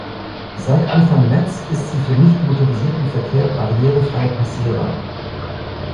Seit Anfang März ist sie für nicht motorisierten Verkehr barrierefrei passierbar.